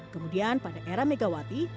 kemudian pada era megawati